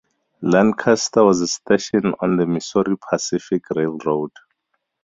Lancaster was a station on the Missouri Pacific Railroad.